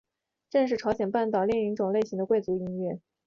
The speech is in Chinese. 正乐是朝鲜半岛另一种类型的贵族音乐。